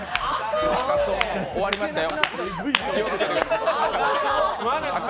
終わりましたよ。